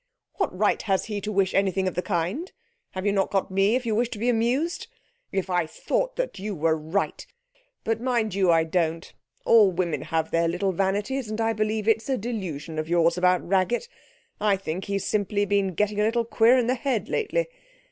'What right has he to wish anything of the kind? Have you not got me, if you wish to be amused? If I thought that you were right but, mind you, I don't; all women have their little vanities, and I believe it's a delusion of yours about Raggett I think he's simply been getting a little queer in the head lately.